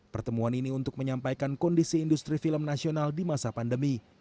pertemuan ini untuk menyampaikan kondisi industri film nasional di masa pandemi